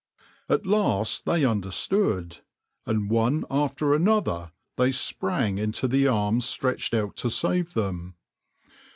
At last they understood, and one after another they sprang into the arms stretched out to save them.